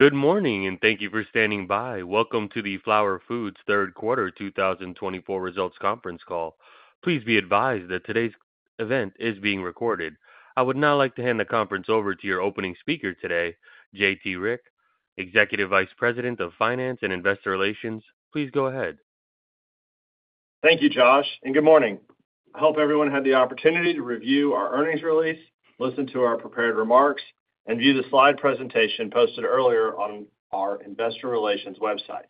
Good morning and thank you for standing by. Welcome to Flowers Foods third quarter 2024 results conference call. Please be advised that today's event is being recorded. I would now like to hand the conference over to your opening speaker today, J.T. Rieck, Executive Vice President of Finance and Investor Relations. Please go ahead. Thank you, Josh, and good morning. I hope everyone had the opportunity to. Review our earnings release, listen to our prepared remarks and view the slide presentation posted earlier on our investor relations website.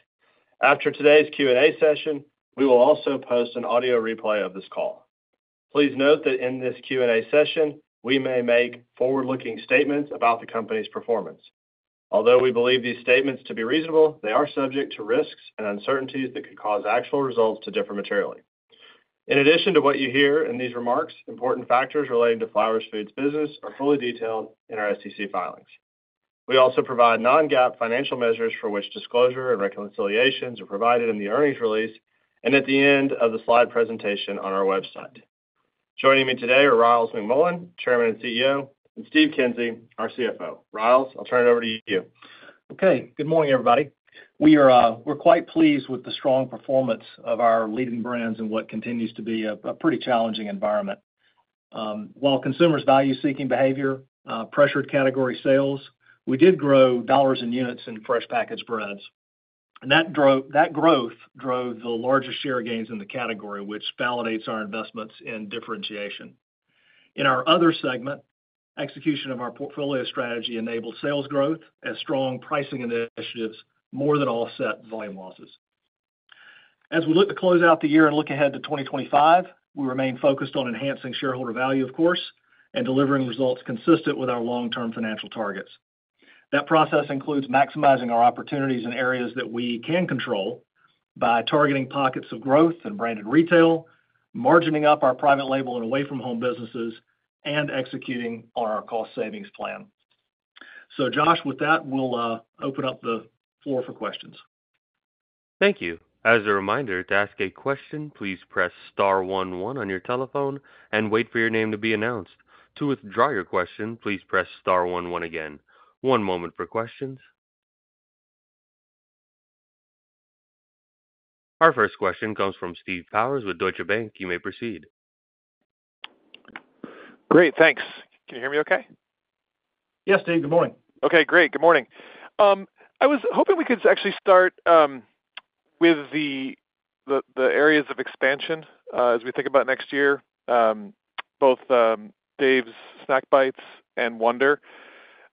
After today's Q&A session, we will also post an audio replay of this call. Please note that in this Q&A. As we may make forward-looking statements about the company's performance. Although we believe these statements to be reasonable, they are subject to risks and uncertainties that could cause actual results to differ materially. In addition to what you hear in these remarks, important factors relating to Flowers Foods' business are fully detailed in our SEC filings. We also provide non-GAAP financial measures for which disclosure and reconciliations are provided in the earnings release and at the end of the slide presentation on our website. Joining me today are Ryals McMullian, Chairman and CEO, and Steve Kinsey, our CFO. Ryals, I'll turn it over to you. Okay. Good morning, everybody. We are quite pleased with the strong performance of our leading brands in what continues to be a pretty challenging environment. While consumer value-seeking behavior pressured category sales, we did grow dollars and units in fresh packaged breads, and that growth drove the largest share gains in the category, which validates our investments in differentiation. In our other segment, execution of our portfolio strategy enabled sales growth as strong pricing initiatives more than offset volume losses. As we look to close out the year and look ahead to 2025, we remain focused on enhancing shareholder value, of course, and delivering results consistent with our long-term financial targets. That process includes maximizing our opportunities in areas that we can control by targeting pockets of growth and branded retail, margining up our private label and away from home businesses, and executing on our cost savings plan. So Josh, with that we'll open up the floor for questions. Thank you. As a reminder to ask a question, please press star one one on your telephone and wait for your name to be announced. To withdraw your question, please press star one one again. One moment for questions. Our first question comes from Steve Powers with Deutsche Bank. You may proceed. Great, thanks. Can you hear me okay? Yes, Steve, good morning. Okay, great. Good morning. I was hoping we could actually start with the areas of expansion. As we think about next year, both Dave's Snack Bites and Wonder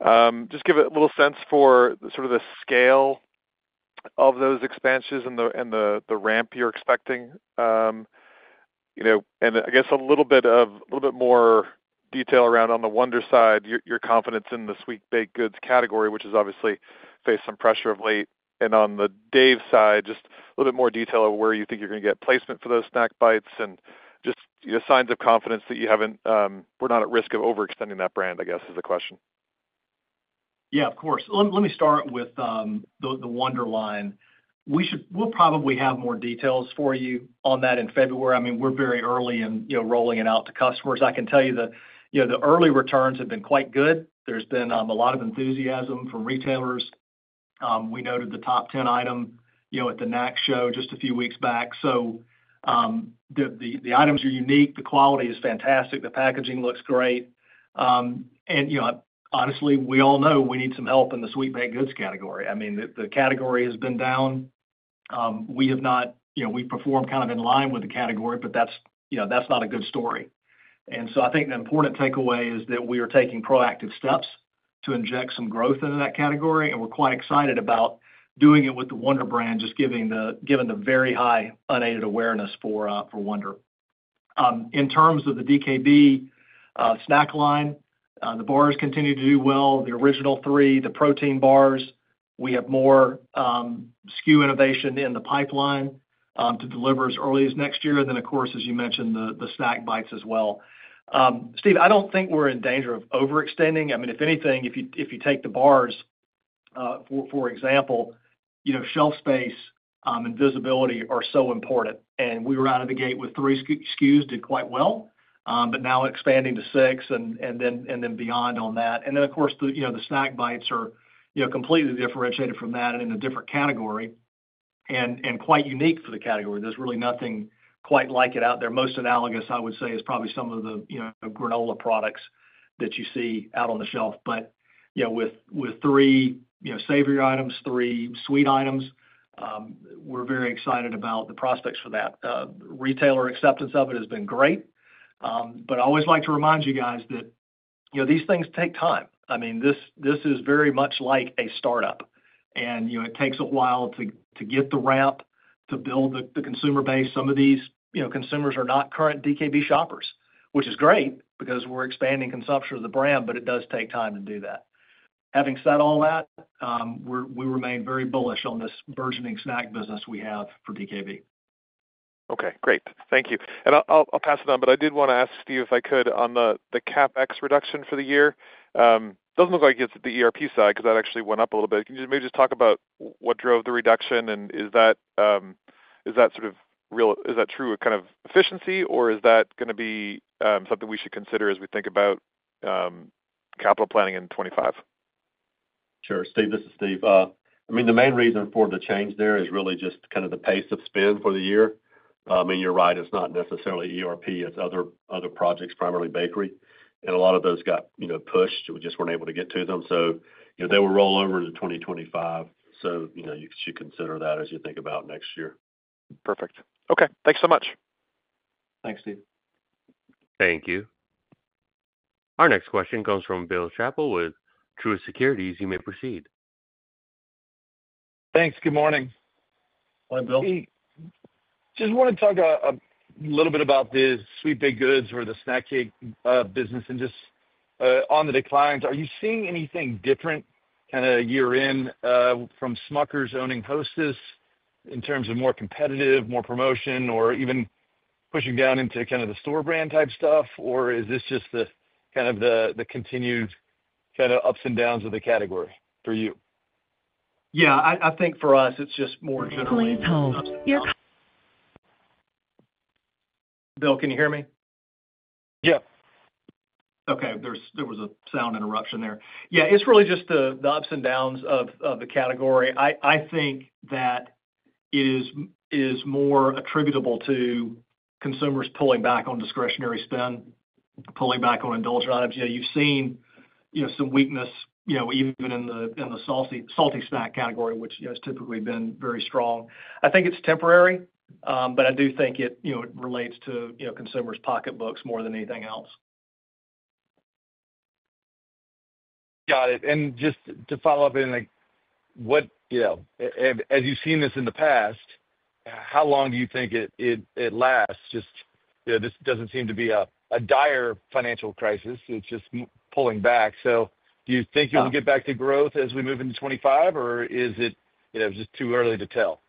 just give a little sense for sort of the scale of those expansions and the ramp you're expecting. And I guess a little bit more detail around on the Wonder side, your confidence in the sweet baked goods category, which has obviously faced some pressure of late. And on the Dave side, just a little bit more detail of where you think you're going to get placement for those snack bites and just signs of confidence that you haven't. We're not at risk of overextending that brand, I guess, is the question. Yeah, of course. Let me start with the Wonder line. We'll probably have more details for you on that in February. I mean, we're very early in rolling it out to customers. I can tell you the early returns have been quite good. There's been a lot of enthusiasm from retailers. We noted the top 10 item at the NACS Show just a few weeks back. So the items are unique, the quality is fantastic, the packaging looks great, and honestly, we all know we need some help in the sweet baked goods category. I mean, the category has been down. We have not, you know, we perform kind of in line with the category, but that's, you know, that's not a good story. And so I think the important takeaway is that we are taking proactive steps to inject some growth into that category and we're quite excited about doing it with the Wonder brand. Given the very high unaided awareness for Wonder. In terms of the DKB snack line, the bars continue to do well. The original three, the protein bars, we have more SKU innovation in the pipeline to deliver as early as next year. And then, of course, as you mentioned, the snack bites as well. Steve, I don't think we're in danger of overextending. I mean, if anything, if you take the bars, for example, shelf space and visibility are so important. And we were out of the gate with three SKUs did quite well, but now expanding to six and then beyond on that. And then, of course, the snack bites are completely differentiated from that and in a different category and quite unique for the category. There's really nothing quite like it out there. Most analogous, I would say, is probably some of the granola products that you see out on the shelf. But with three savory items, three sweet items, we're very excited about the prospects for that. Retailer acceptance of it has been great. But I always like to remind you guys that, you know, these things take time. I mean, this is very much like a startup and, you know, it takes a while to get the ramp to build the consumer base. Some of these, you know, consumers are not current DKB shoppers, which is great because we're expanding consumption of the brand. But it does take time to do that. Having said all that, we remain very bullish on this burgeoning snack business we have for DKB. Okay, great. Thank you. And I'll pass it on. But I did want to ask Steve if I could on the CapEx reduction for the year. It doesn't look like it's the ERP side because that actually went up a little bit. Can you maybe just talk about what drove the reduction and is that true kind of efficiency or is that going to be something we should consider as we think about capital planning in 2025? Sure, Steve. This is. Steve, I mean, the main reason for the change there is really just kind of. The pace of spend for the year. I mean, you're right, it's not necessarily ERP. It's other. Other projects, primarily bakery, and a lot of those got pushed. We just weren't able to get to them, so they will roll over into 2025, so you know, you should consider that as you think about next year. Perfect. Okay, thanks so much. Thanks, Steve. Thank you. Our next question comes from Bill Chappell with Truist Securities. You may proceed. Thanks. Good morning, Bill. Just want to talk a little bit about the sweet baked goods or the snack cake business. And just on the declines, are you seeing anything different kind of year in from Smucker's owning Hostess in terms of more competitive, more promotion or even pushing down into kind of the store brand type stuff? Or is this just the kind of, the continued kind of ups and downs. Of the category for you? Yeah, I think for us it's just more general. Please hold. Bill, can you hear me? Yeah. Okay. There was a sound interruption there. Yeah, it's really just the ups and downs of the category. I think that it is more attributable to consumers pulling back on discretionary spend, pulling back on indulgent items. You've seen some weaknesses, you know, even in the salty snack category, which has typically been very strong. I think it's temporary, but I do think it relates to consumers' pocketbooks more than anything else. Got it. And just to follow up. As you've. Seen this in the past, how long do you think it lasts? This doesn't seem to be a dire financial crisis. It's just pulling back. So do you think you will get back to growth as we move into 2025 or is it just too early to tell?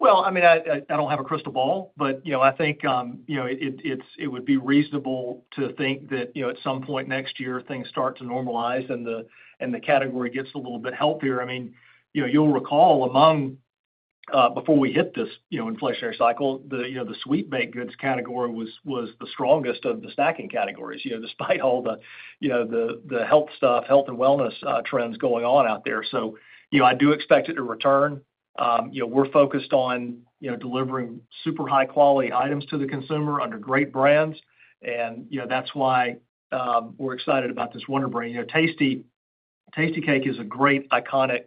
I mean, I don't have a crystal ball, but I think it would be reasonable to think that at some point next year things start to normalize and the category gets a little bit healthier. You'll recall before we hit this inflationary cycle, the sweet baked goods category was the strongest of the snacking categories, despite all the health stuff, health and wellness trends going on out there. So I do expect it to return. We're focused on delivering super high quality items to the consumer under great brands and that's why we're excited about this Wonder brand. Tastykake is a great iconic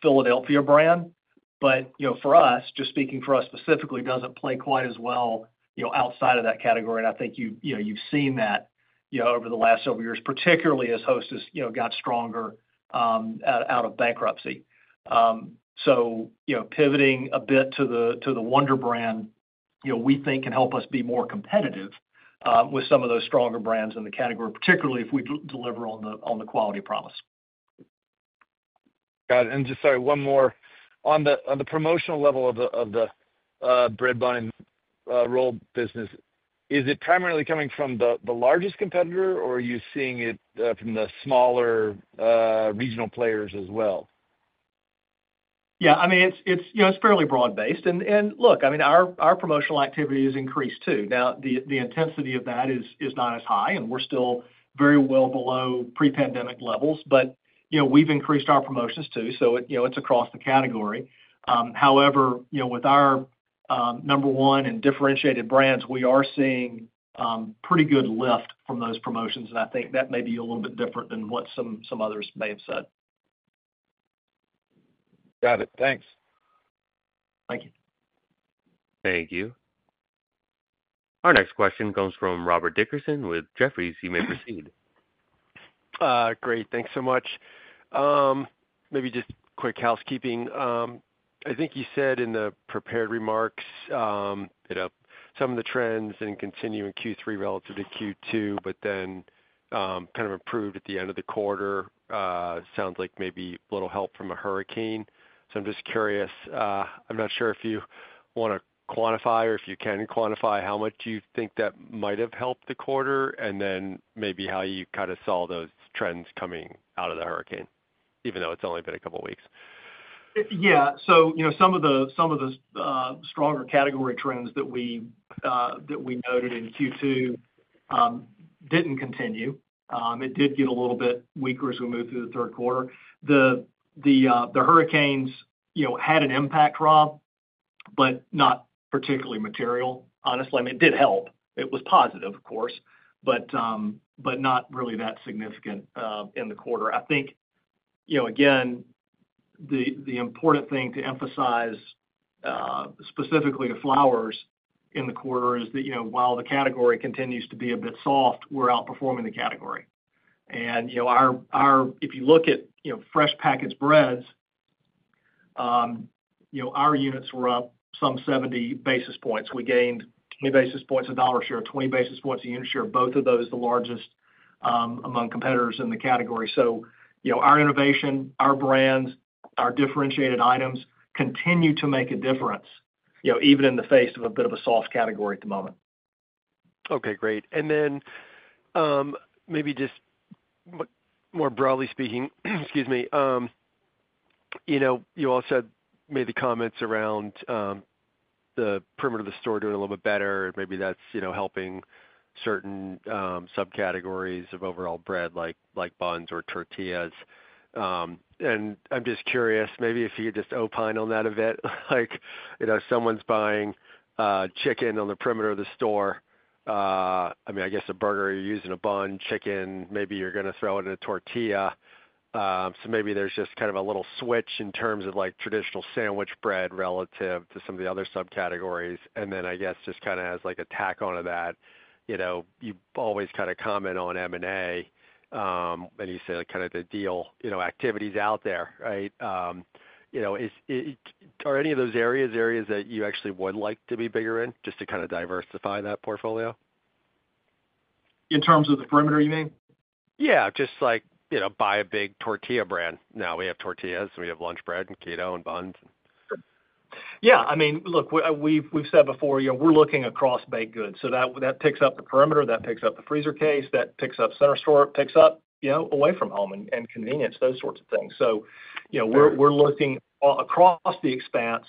Philadelphia brand, but for us, just speaking for us specifically doesn't play quite as well outside of that category. And I think you've seen that over the last several years, particularly as Hostess got stronger out of bankruptcy. So pivoting a bit to the Wonder brand, we think can help us be more competitive with some of those stronger brands in the category, particularly if we deliver on the quality promise. Got it. Sorry, one more. On the promotional level of the bread bun and roll business, is it primarily coming from the largest competitor or are you seeing it from the smaller regional players as well? Yeah, I mean, it's fairly broad-based, and look, I mean, our promotional activity has increased too. Now the intensity of that is not as high, and we're still very well below pre-pandemic levels. But we've increased our promotions too. So it's across the category. However, with our number one and differentiated brands, we are seeing pretty good lift from those promotions. And I think that may be a little bit different than what some others may have said. Got it. Thanks. Thank you. Thank you. Our next question comes from Robert Dickerson with Jefferies. You may proceed. Great. Thanks so much. Maybe just quick housekeeping. I think you said in the prepared remarks some of the trends didn't continue in Q3 relative to Q2, but then kind of improved at the end of the quarter. Sounds like maybe little help from a hurricane. So I'm just curious, I'm not sure if you want to quantify or if you can quantify how much you think that might have helped the quarter and then maybe how you kind of saw those trends coming out of the hurricane, even though it's only been a couple weeks. Yeah. So some of the stronger category trends that we noted in Q2 didn't continue. It did get a little bit weaker as we move through the third quarter. The hurricanes had an impact, Rob, but not particularly material. Honestly. It did help. It was positive, of course, but not really that significant in the quarter. I think again, the important thing to emphasize specifically to Flowers in the quarter is that while the category continues to be a bit soft, we're outperforming the category. And if you look at fresh packaged breads, our units were up some 70 basis points. We gained 20 basis points of dollar share, 20 basis points of unit share. Both of those the largest among competitors in the category. Our innovation, our brands, our differentiated items continue to make a difference even in the face of a bit of a soft category at the moment. Okay, great. And then maybe just more broadly speaking, you all said made the comments around the perimeter of the store doing a little bit better. Maybe that's helping certain subcategories of overall bread, like buns or tortillas. I'm just curious, maybe if you could just opine on that a bit, like someone's buying chicken on the perimeter of the store. I mean, I guess a burger you use in a bun, chicken, maybe you're going to throw it in a tortilla. So maybe there's just kind of a little switch in terms of like traditional sandwich bread relative to some of the other subcategories. And then I guess just kind of as like a tack onto that. You always kind of comment on M&A and you say kind of the deal activities out there. Right. Are any of those areas that you actually would like to be bigger in just to kind of diversify that portfolio? In terms of the perimeter, you mean? Yeah, just like buy a big tortilla brand now. We have tortillas, we have lunch bread and keto and buns. Yeah, I mean, look, we've said before we're looking across baked goods. So that picks up the perimeter, that picks up the freezer case, that picks up center store, picks up away from home and convenience, those sorts of things. So we're looking across the expanse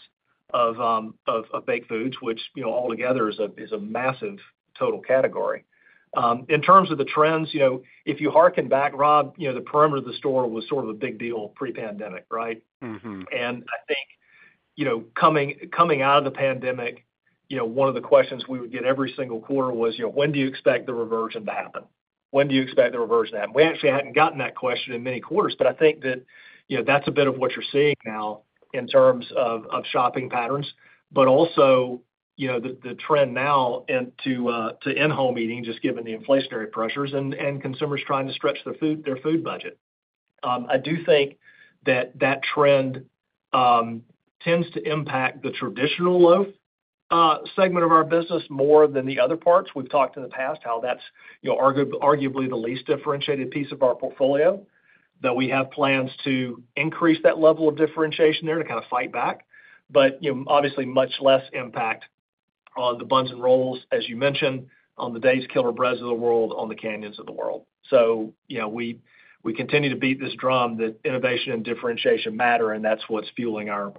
of baked foods, which all together is a massive total category in terms of the trends. If you hearken back, Rob, the perimeter of the store was sort of a big deal pre-pandemic. Right. I think coming out of the pandemic, one of the questions we would get every single quarter was when do you expect the reversion to happen? When do you expect the reversion? We actually hadn't gotten that question in many quarters, but I think that that's a bit of what you're seeing now in terms of shopping patterns, but also the trend now to in home eating, just given the inflationary pressures and consumers trying to stretch their food budget. I do think that that trend tends to impact the traditional loaf segment of our business more than the other parts. We've talked in the past how that's arguably the least differentiated piece of our portfolio that we have plans to increase that level of differentiation there to kind of fight back, but obviously much less impact on the buns and rolls, as you mentioned, on the Dave's Killer Breads of the world, on the Canyons of the world. So we continue to beat this drum that innovation and differentiation matter and that's what's fueling our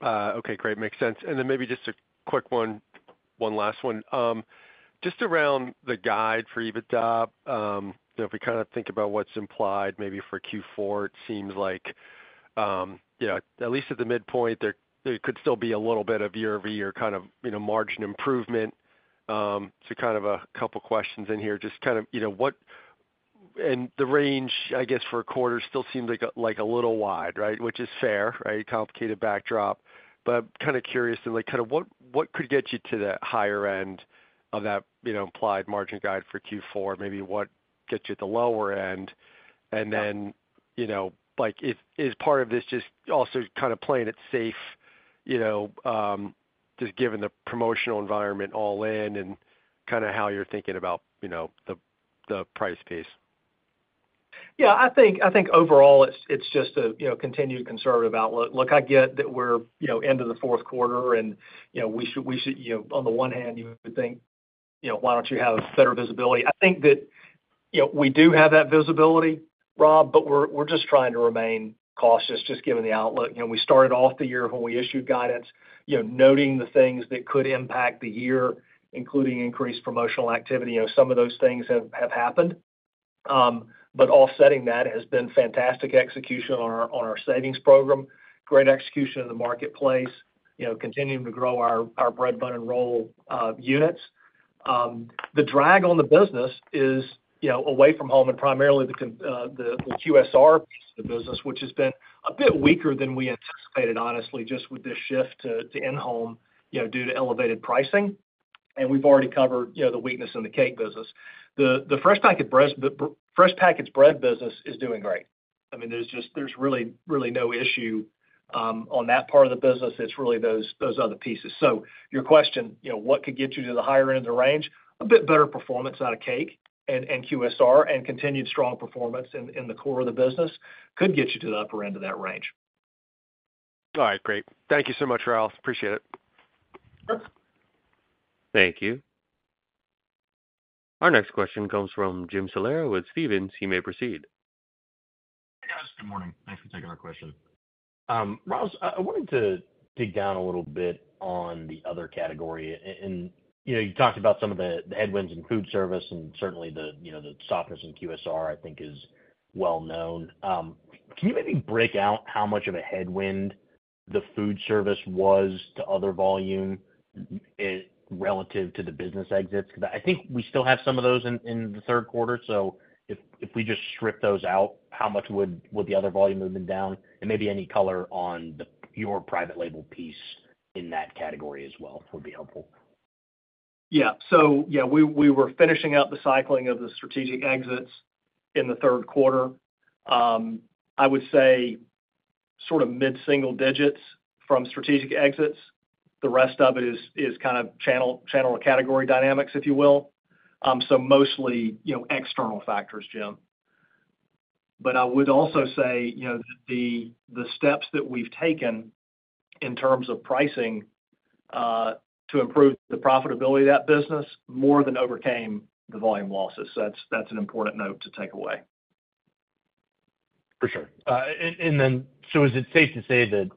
business overall. Okay, great. Makes sense. And then maybe just a quick one, one last one just around the guide for EBITDA. If we think about what's implied, maybe for Q4, it seems like at least at the midpoint, there could still be a little bit of year over year margin improvement. A couple questions in here. The range for a quarter still seems a little wide, which is fair complicated backdrop. But I'm curious what could get you to the higher end, that implied margin guide for Q4. Maybe what gets you at the lower end and then is part of this just also kind of playing it safe just given the promotional environment all in and kind of how you're thinking about the price piece? Yeah, I think overall it's just a continued conservative outlook. Look, I get that we're into the fourth quarter and we should. On the one hand, you think, why don't you have better visibility? I think that we do have that visibility, Rob, but we're just trying to remain cautious just given the outlook. We started off the year when we issued guidance noting the things that could impact the year, including increased promotional activity. Some of those things have happened, but offsetting that has been fantastic execution on our savings program. Great execution of the marketplace, you know, continuing to grow our bread and roll units. The drag on the business is, you know, away from home and primarily the QSR, the business which has been a bit weaker than we anticipated, honestly, just with this shift to in home, you know, due to elevated pricing and we've already covered, you know, the weakness in the cake business, the fresh packaged bread business is doing great. I mean, there's just, there's really, really no issue on that part of the business. It's really those other pieces. So your question, what could get you to the higher end of the range? A bit better performance out of cake and QSR and continued strong performance in the core of the business could get you to the upper end of that range. All right, great. Thank you so much, Ryals. Appreciate it. Thank you. Our next question comes from Jim Salera with Stephens. You may proceed. Hey guys, good morning. Thanks for taking our question, Ryals. I wanted to dig down a little bit on the other category, and you know, you talked about some of the headwinds in food service and certainly the, you know, the softness in QSR, I think is well known. Can you maybe break out how much of a headwind the food service was to other volume relative to the business exits? I think we still have some of. Those in the third quarter. So if we just strip those out, how much would the other volume move down and maybe any color on your private label piece in that category? Well, would be helpful. Yeah. So yeah, we were finishing up the cycling of the strategic exits in the third quarter. I would say sort of mid single digits from strategic exits. The rest of it is kind of channel category dynamics, if you will. So mostly external factors, Jim, but I would also say the steps that we've taken in terms of pricing to improve the profitability of that business more than overcame the volume losses. So that's an important note to take away. For sure. And then so is it safe to say that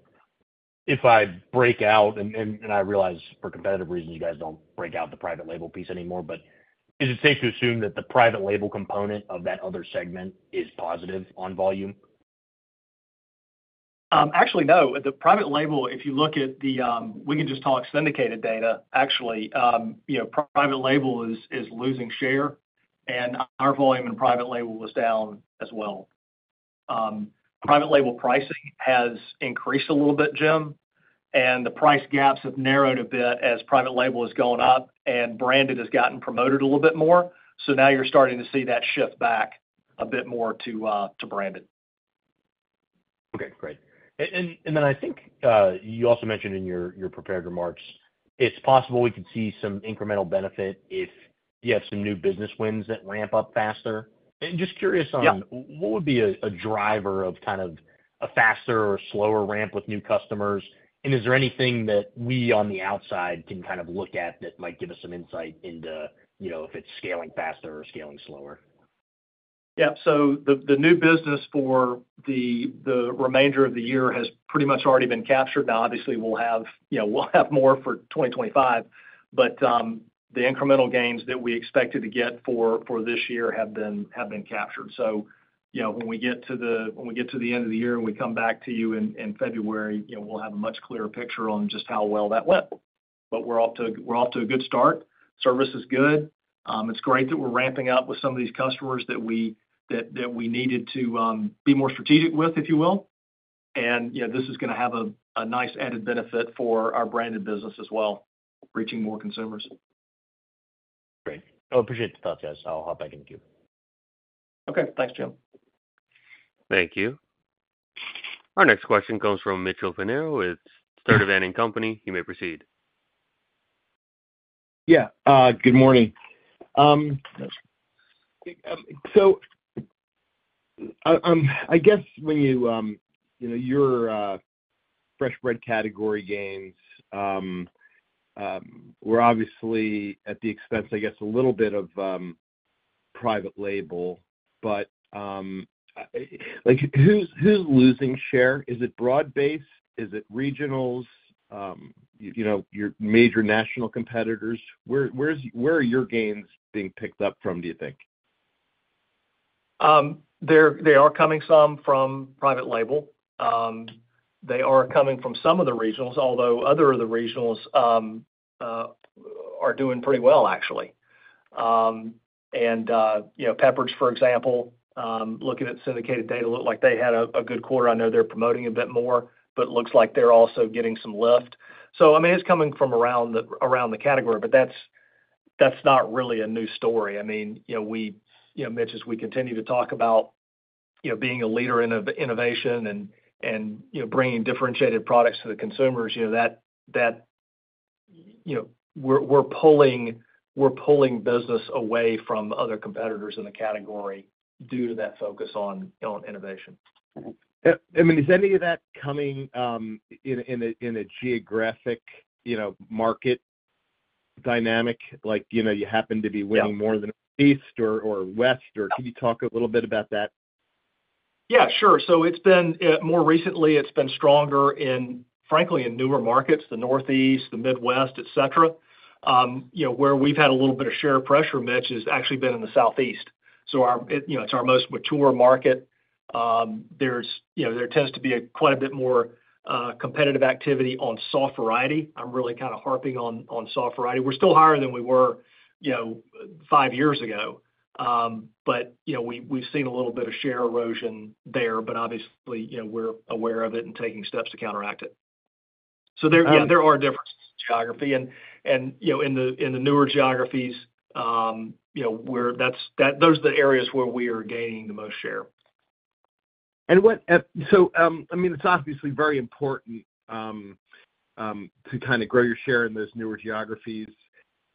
if I break out, and I realize for competitive reasons, you guys? Don't break out the private label piece. Anymore, but is it safe to assume that the private label component of that other segment is positive on volume? Actually, no. The private label, if you look at the we can just talk syndicated data, actually, you know, private label is losing share and our volume in private label was down as well. Private label pricing has increased a little bit, Jim, and the price gaps have narrowed a bit as private label has gone up and branded has gotten promoted. A little bit more. so now you're starting to see that shift back a bit more to branded. Okay, great. And then I think you also mentioned in your prepared remarks it's possible we could see some incremental benefit if you have some new business wins that ramp up faster. Just curious on what would be a. Driver of kind of a faster or. Slower ramp with new customers. Is there anything that we on the outside can kind of look at that might give us some insight into if it's scaling faster or scaling slower? Yeah. So the new business for the remainder of the year has pretty much already been captured. Now, obviously we'll have more for 2025, but the incremental gains that we expected to get for this year have been captured. So when we get to the end of the year and we come back to you in February, we'll have a much clearer picture on just how well that went. But we're off to a good start. Service is good. It's great that we're ramping up with some of these customers that we needed to be more strategic with, if you will. And this is going to have a nice added benefit for our branded business as well, reaching more consumers. Great. I appreciate the thoughts, guys. I'll hop back in the queue. Okay, thanks, Jim. Thank you. Our next question comes from Mitchell Pinheiro. It's Sturdivant and Company. You may proceed. Yeah, good morning. So I guess when you, you know, your fresh bread category gains. We're obviously. At the expense, I guess a little bit of private label. But who's losing share? Is it broad based? Is it regionals, your major national competitors? Where are your gains being picked up from? Do you think? They are coming some from private label? They are coming from some of the regionals, although other of the regionals. Are. Doing pretty well, actually, and Pepperidge, for example, looking at syndicated data, look like they had a good quarter. I know they're promoting a bit more, but looks like they're also getting some lift, so, I mean, it's coming from around the category, but that's not really a new story. I mean, Mitch, as we continue to talk about, you know, being a leader in innovation and bringing differentiated products to the consumers, you know, that, you know, we're pulling business away from other competitors in the category due to that focus on innovation? I mean, is any of that coming in a geographic, you know, market dynamic like, you know, you happen to be winning more than east or west or? Can you talk a little bit about that? Yeah, sure. So it's been more recently, it's been stronger in, frankly in newer markets, the Northeast, the Midwest, et cetera, you know, where we've had a little bit of share pressure. Mitch has actually been in the Southeast. So it's our most mature market. There's, you know, there tends to be quite a bit more competitive activity on soft variety. I'm really kind of harping on soft variety. We're still higher than we were, you know, five years ago. But, you know, we've seen a little bit of share erosion there. But obviously, you know, we're aware of it and taking steps to counteract it. So there are differences in geography and you know, in the, in the newer geographies, you know, we're, that's that those are the areas where we are gaining the most share and what. So I mean, it's obviously very important. To kind of grow your share in those newer geographies.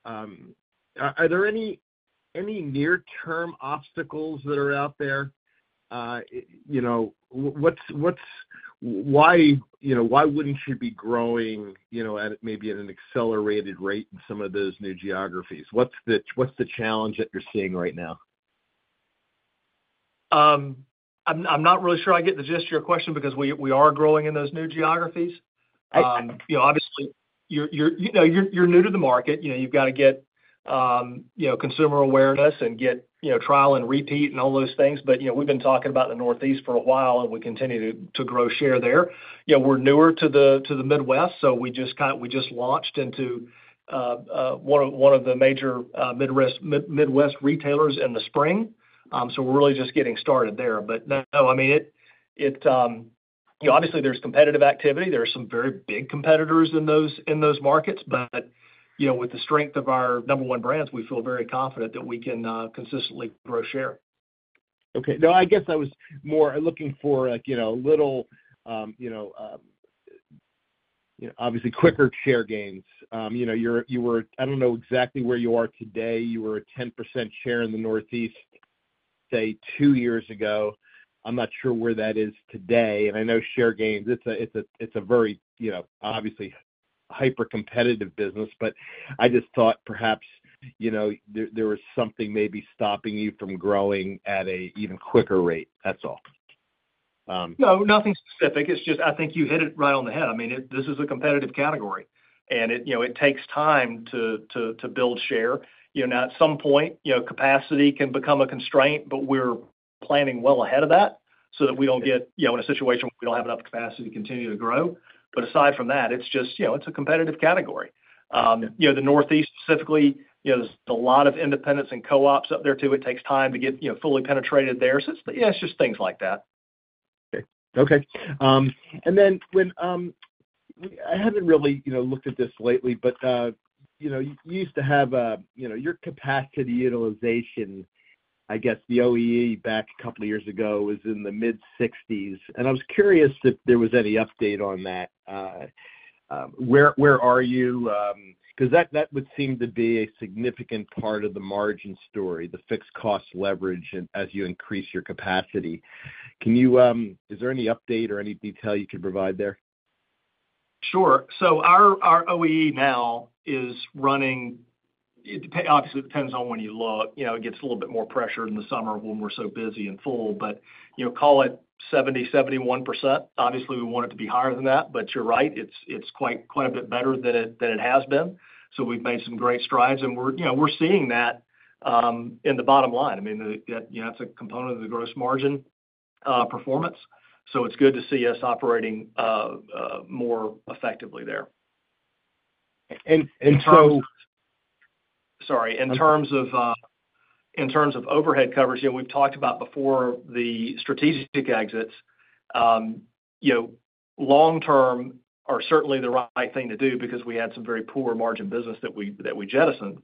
Are there any near-term obstacles that? Are out there, you know, why wouldn't you be growing, you know, maybe at an accelerated rate in some of those new geographies? What's the challenge that you're seeing right now? I'm not really sure I get the gist of your question because we are growing in those new geographies. Obviously you're new to the market. You've got to get consumer awareness and get trial and repeat and all those things. But we've been talking about the Northeast for a while and we continue to grow share there. We're newer to the Midwest, so we just launched into one of the major Midwest retailers in the spring. So we're really just getting started there. But obviously there's competitive activity. There are some very big competitors in those markets. But with the strength of our number one brands, we feel very confident that we can consistently grow share. Okay. No, I guess I was more looking for a little obviously quicker share gains. I don't know exactly where you are today. You were a 10% share in the Northeast, say two years ago. I'm not sure where that is today. I know share gains, it's a very, you know, obviously hyper competitive business. I just thought perhaps, you know, there was something maybe stopping you from growing at a even quicker rate. That's all. No, nothing specific. It's just, I think you hit it. Right on the head. I mean, this is a competitive category and it takes time to build share. You know, at some point, you know, capacity can become a constraint, but we're planning well ahead of that so that we don't get, you know, in a situation we don't have enough capacity to continue to grow. But aside from that, it's just, you know, it's a competitive category. You know, the Northeast specifically, you know, there's a lot of independents and co-ops up there too. It takes time to get, you know, fully penetrated there. So yeah, it's just things like that. Okay. And then when I haven't really, you know, looked at this lately, but you know, you used to have, you know, your capacity utilization. I guess the OEE back a couple of years ago was in the mid-60s. And I was curious if there was. Any update on that? Where are you? Because that would seem to be a significant part of the margin story, the fixed cost leverage as you increase your capacity. Can you, is there any update or any detail you can provide there? Sure. So our OEE now is running obviously depends on when you look, it gets a little bit more pressured in the summer when we're so busy and full. But call it 70%-71%. Obviously we want it to be higher than that, but you're right, it's quite a bit better than it has been. So we've made some great strides and we're seeing that in the bottom line. I mean, that's a component of the gross margin performance. So it's good to see us operating more effectively. There's. Sorry. In terms of overhead coverage we've talked about before, the strategic exits long term are certainly the right thing to do because we had some very poor margin business that we jettisoned.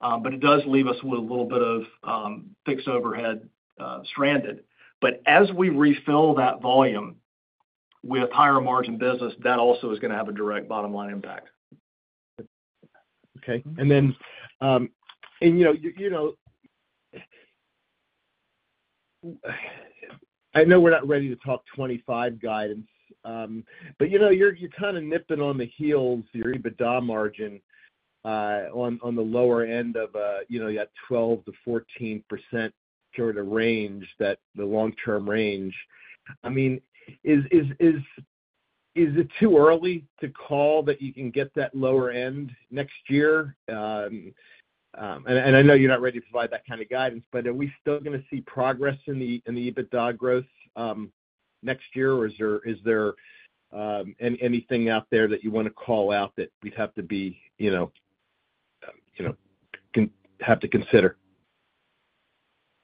But it does leave us with a little bit of fixed overhead stranded. But as we refill that volume with higher margin business, that also is going to have a direct bottom line impact. Okay, and then, you know, you know. I. Now we're not ready to talk 2025 guidance, but you know, you're kind of nipping at the heels of your EBITDA margin on the lower end of, you know, you got 12%-14% sort of range that's the long-term range. I mean. Is it too early to? Call that you can get that lower end next year? And I know you're not ready to provide that kind of guidance, but are we still going to see progress in the EBITDA growth next year or is there anything out there that you want to call out that we'd have to be, you know, you know, have to consider?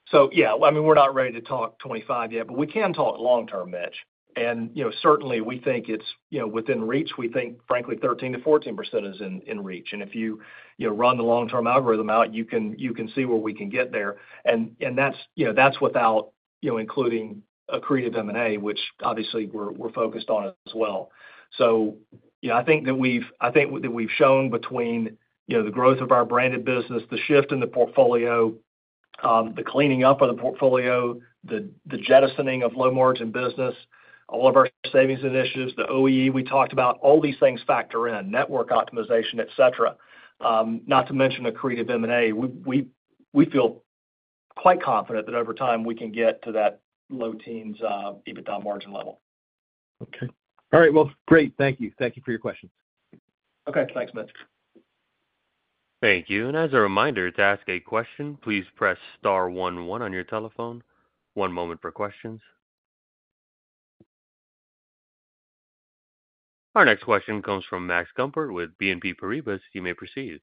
So yeah, I mean, we're not ready to talk 2025 yet, but we can talk long term, Mitch. And you know, certainly we think it's, you know, within reach. We think frankly 13%-14% is in reach. And if you run the long term algorithm out, you can see. Where we can get there. And that's, you know, that's without, you know, including accretive M&A, which obviously we're focused on as well. So yeah, I think that we've shown between the growth of our branded business, the shift in the portfolio, the cleaning up of the portfolio, the jettisoning of low margin business, all of our savings initiatives, the OEE we talked about, all these things, factor in network optimization, et cetera, not to mention accretive M&A, we feel quite confident that over time we can get to that low teens EBITDA margin level. Okay, all right, well great. Thank you. Thank you for your questions. Okay, thanks Mitch. Thank you. And as a reminder to ask a question, please press Star one one on your telephone. One moment for questions. Our next question comes from Max Gumport with BNP Paribas. You may proceed.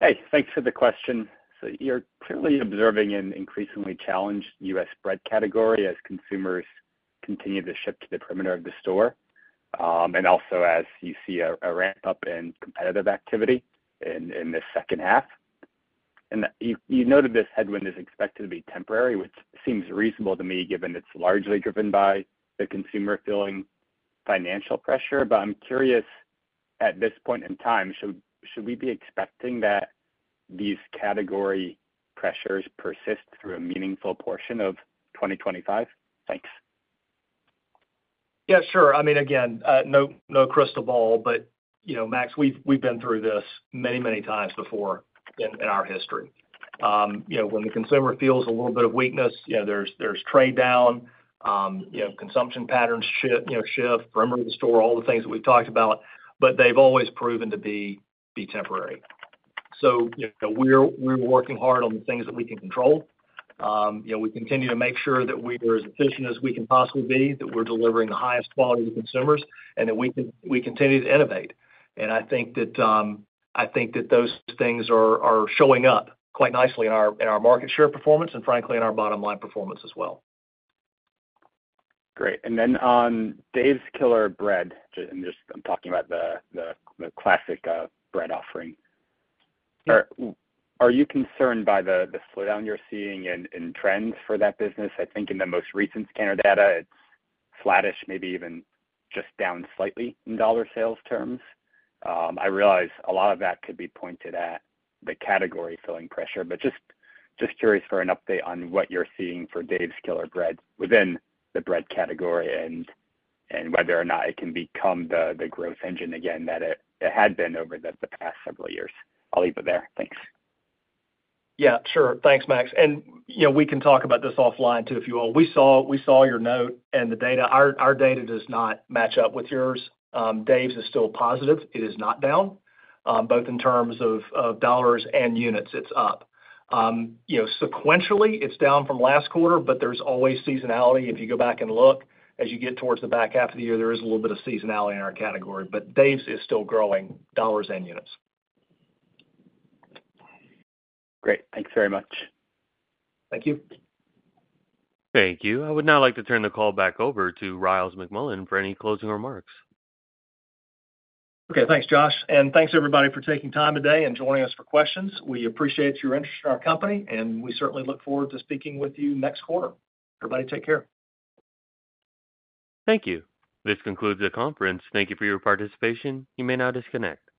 Hey, thanks for the question. So you're clearly observing an increasingly challenged U.S. bread category as consumers continue to shift to the perimeter of the store. And also as you see a ramp up in competitive activity in the second half. And you noted this headwind is expected to be temporary, which seems reasonable to me given it's largely driven by the consumer feeling financial pressure. But I'm curious, at this point in time, should we be expecting that these category pressures persist through a meaningful portion of 2025? Thanks. Yeah, sure. I mean, again, no, no crystal ball. But you know, Max, we've, we've been through this many, many times before in our history. You know, when the consumer feels a little bit of weakness, you know, there's, there's trade down, you know, consumption patterns shift, you know, shift perimeter of the store. All the things that we've talked about, but they've always proven to be, be temporary. So we're, we're working hard on the things that we can control. We continue to make sure that we are as efficient as we can possibly be, that we're delivering the highest quality to consumers and that we continue to innovate. And I think that those things are showing up quite nicely in our market share performance and frankly in our bottom line performance as well. Great. And then on Dave's Killer Bread, I'm talking about the classic bread offering. Are you concerned by the slowdown you're seeing in trends for that business? I think in the most recent scanner data, it's flattish, maybe even just down slightly in dollar sales terms. I realize a lot of that could be pointed at the category inflation pressure, but just curious for an update on what you're seeing for Dave's Killer Bread within the bread category and whether or not it can become the growth engine again that it, it had been over the past several years. I'll leave it there. Thanks. Yeah, sure. Thanks, Max. And we can talk about this offline too if you all. We saw your note and the data, our data does not match up with yours. Dave's is still positive. It is not down both in terms of dollars and units. It's up sequentially. It's down from last quarter, but there's always seasonality. If you go back and look as you get towards the back half of the year, there is a little bit of seasonality in our category, but Dave's is still growing dollars and units. Great, thanks very much. Thank you. Thank you. I would now like to turn the call back over to Ryals McMullian for any closing remarks. Okay. Thanks, Josh. And thanks, everybody, for taking time today and joining us for questions. We appreciate your interest in our company, and we certainly look forward to speaking with you next quarter. Everybody, take care. Thank you. This concludes the conference. Thank you for your participation. You may now disconnect.